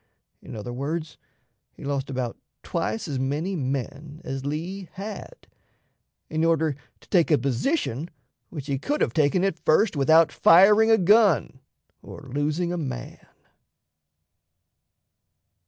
In other words, he lost about twice as many men as Lee had, in order to take a position which he could have taken at first without firing a gun or losing a man."